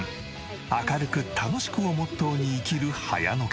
明るく楽しくをモットーに生きる早野家。